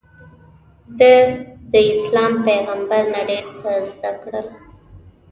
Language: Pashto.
ده داسلام پیغمبر نه ډېر څه زده کړل.